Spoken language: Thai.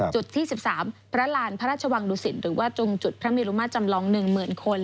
จุดที่๑๓พระราณพระราชวังดุสิตหรือว่าจุงจุดพระเมลุมาจำลอง๑๐๐๐คน